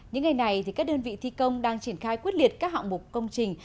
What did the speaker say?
những ngày này các đơn vị thi công đang triển khai quyết liệt các hạng mục công trình